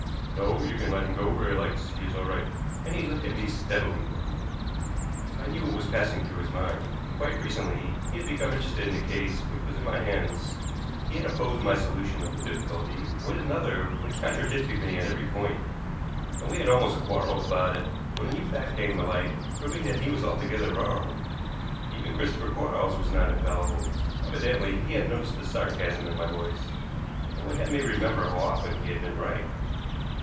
"No. You can let him go where he likes; he is all right," and he looked at me steadily for a moment. I knew what was passing through his mind. Quite recently he had become interested in a case which was in my hands. He had opposed my solution of the difficulty with another which contradicted me at every point, and we had almost quarreled about it, when a new fact came to light, proving that he was altogether wrong. Even Christopher Quarles was not infallible. Evidently he had noticed the sarcasm in my voice, and would have me remember how often he had been right.